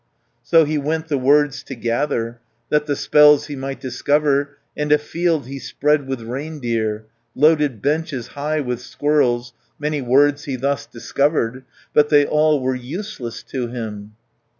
140 So he went the words to gather, That the spells he might discover, And a field he spread with reindeer, Loaded benches high with squirrels. Many words he thus discovered, But they all were useless to him.